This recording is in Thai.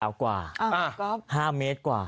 มือเหลือกว่า๕เมตรกว่า